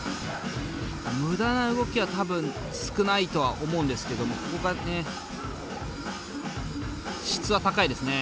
無駄な動きは多分少ないとは思うんですけどもここがね質は高いですね。